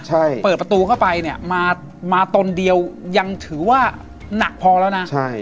ใช่เปิดประตูเข้าไปเนี่ยมามาตนเดียวยังถือว่าหนักพอแล้วนะใช่